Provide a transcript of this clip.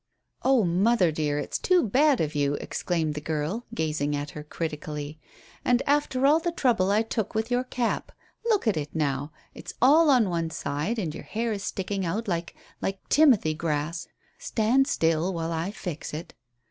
"Oh, mother dear, it's too bad of you," exclaimed the girl, gazing at her critically. "And after all the trouble I took with your cap! Look at it now. It's all on one side, and your hair is sticking out like like Timothy grass. Stand still while I fix it."